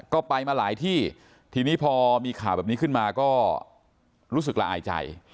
ก็ไปมาหลายที่ทีนี้พอมีข่าวแบบนี้ขึ้นมาก็รู้สึกละอายใจ